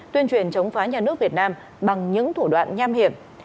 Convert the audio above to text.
tuyên truyền chống phá nhà nước việt nam bằng những thủ đoạn nham hiểm